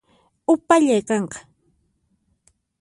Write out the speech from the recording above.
Upallay qanqa